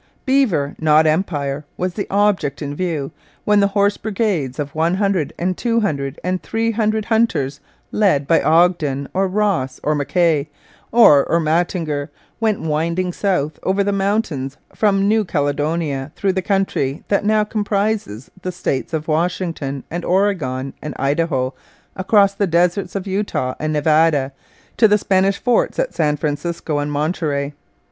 Beaver, not empire, was the object in view when the horse brigades of one hundred and two hundred and three hundred hunters, led by Ogden, or Ross, or M'Kay or Ermatinger went winding south over the mountains from New Caledonia through the country that now comprises the states of Washington and Oregon and Idaho, across the deserts of Utah and Nevada, to the Spanish forts at San Francisco and Monterey.